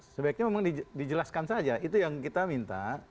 sebaiknya memang dijelaskan saja itu yang kita minta